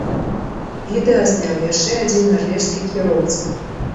Відэа зняў яшчэ адзін нарвежскі кіроўца.